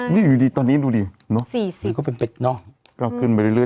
นี่อยู่ดีตอนนี้ดูดินึกหรือเป็นเป็ดนอกเกินไปเรื่อย